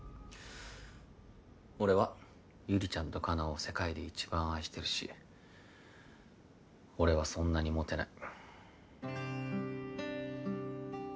俺はゆりちゃんと花奈を世界で一番愛してるし俺はそんなにモテない。